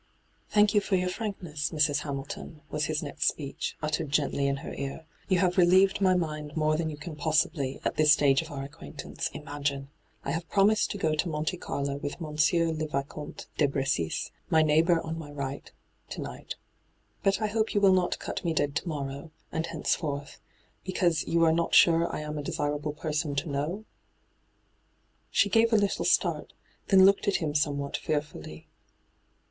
' Thank you for your frankness, Mrs. Hamilton,' was his next speech, uttered gently in her ear. 'You have relieved my mind more than you can possibly, at this stage of our acquaintance, imagine 1 I have promised to go to Monte Carlo with Monsieur le Vicomte de Bressis, my neighbour on my right, to night. But I hope you will not cut me dead to morrow, and henceforth, because you are not sure I am a desirable person to know ?' She gave a little start, then looked at him somewhat fearfully.